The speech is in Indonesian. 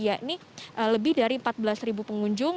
yakni lebih dari empat belas pengunjung